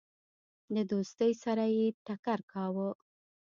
د دوستی سره یې ټکر کاوه.